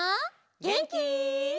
げんき？